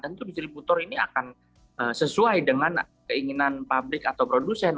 tentu distributor ini akan sesuai dengan keinginan pabrik atau produsen